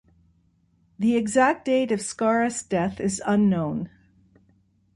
The exact date of Scaurus' death is unknown.